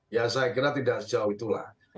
ya saya kira tidak sejauh itulah